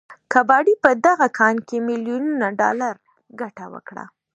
کباړي په دغه کان کې ميليونونه ډالر ګټه وكړه.